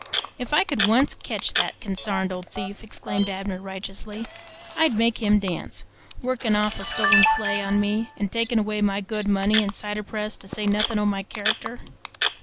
"If I could once ketch that consarned old thief," exclaimed Abner righteously, "I'd make him dance, workin' off a stolen sleigh on me an' takin' away my good money an' cider press, to say nothin' o' my character!"